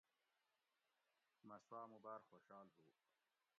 مہ سُواۤ مُو باۤر خوشال ہُو